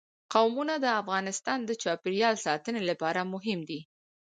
قومونه د افغانستان د چاپیریال ساتنې لپاره مهم دي.